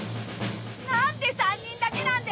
なんで３人だけなんです！？